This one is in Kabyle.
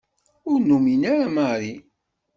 Ur numin ara Mary.